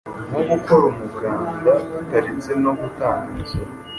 nko gukora umuganda tutaretse no gutanga imisoro.